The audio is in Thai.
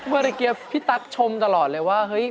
เมื่อเกี๊ยวพี่ตั๊กชมตลอดเลยว่า